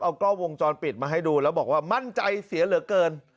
เอากล้องวงจรปิดมาให้ดูแล้วบอกว่ามั่นใจเสียเหลือเกิน